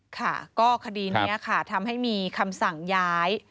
ค่ะก็คดีนี้ค่ะทำให้มีคำสั่งย้าย